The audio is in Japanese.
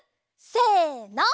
せの。